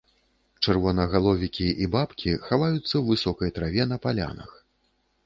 Чырвонагаловікі і бабкі хаваюцца ў высокай траве на палянах.